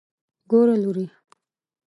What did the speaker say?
ګوره لورې.